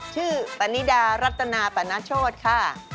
ชื่อปานิดารัตนาปานาโชธค่ะ